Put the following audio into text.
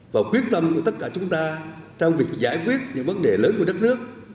và quyết tâm của tất cả chúng ta trong việc giải quyết những vấn đề lớn của đất nước